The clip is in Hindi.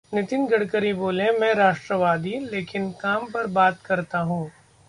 नितिन गडकरी बोले- मैं राष्ट्रवादी, लेकिन काम पर बात करता हूं